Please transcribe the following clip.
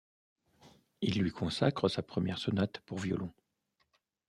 Il lui consacre sa première sonate pour violon.